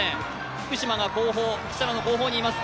福嶌が設楽の後方にいます。